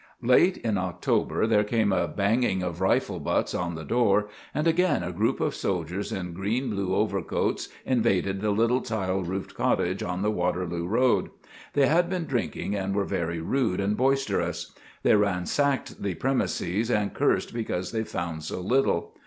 Late in October there came a banging of rifle butts on the door and again a group of soldiers in green blue overcoats invaded the little tile roofed cottage on the Waterloo Road. They had been drinking and were very rude and boisterous. They ransacked the premises and cursed because they found so little.